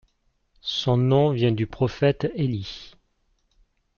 Son nom vient du prophète Élie.